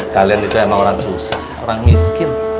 kalian itu emang orang susah orang miskin